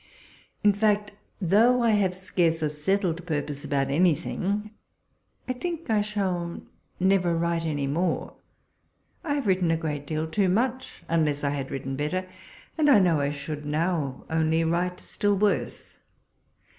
In fact, though I liave scarce a settled purpose about anything, I think I shall never write any more. I have written a great deal too much, walpole's letters. 161 unless I had written better, and I know I should now only write still worse.